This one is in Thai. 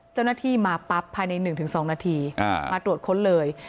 เจ้าหน้าที่มาปั๊บภายใน๑๒นาทีมาตรวจค้นเลย